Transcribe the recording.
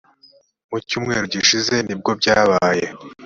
mu cyumweru gishize nibwo byabaye